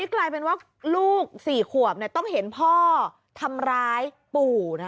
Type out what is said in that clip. กลายเป็นว่าลูก๔ขวบต้องเห็นพ่อทำร้ายปู่